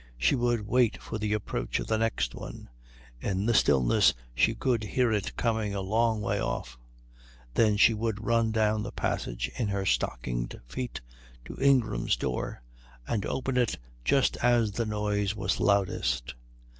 She would wait for the approach of the next one in the stillness she could hear it coming a long way off then she would run down the passage in her stockinged feet to Ingram's door and open it just as the noise was loudest.